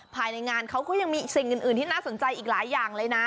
ภายในงานเขาก็ยังมีสิ่งอื่นที่น่าสนใจอีกหลายอย่างเลยนะ